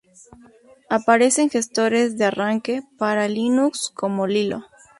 Aparece en gestores de arranque para Linux como Lilo.